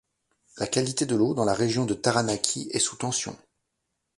La qualité de l’eau dans la région de Taranaki est sous tension.